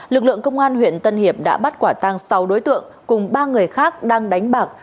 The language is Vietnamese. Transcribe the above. lực lượng công an huyện tân hiệp đã bắt quả tang sáu đối tượng cùng ba người khác đang đánh bạc